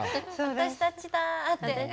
「私たちだ」って。